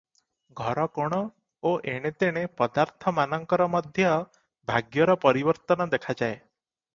ଘରକୋଣ ଓ ଏଣେତେଣେ ପଦାର୍ଥମାନଙ୍କର ମଧ୍ୟ ଭାଗ୍ୟର ପରିବର୍ତ୍ତନ ଦେଖାଯାଏ ।